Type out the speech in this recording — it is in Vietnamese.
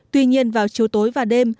tuy nhiên vào chiều tối và đêm